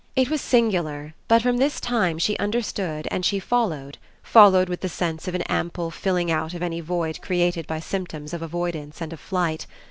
It was singular, but from this time she understood and she followed, followed with the sense of an ample filling out of any void created by symptoms of avoidance and of flight.